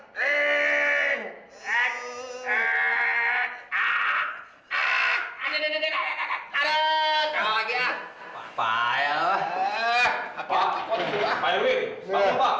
terima kasih pak maman